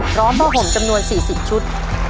พร้อมผ้าห่มจำนวน๔๐ชุด